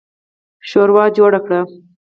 شورا جوړه کړه.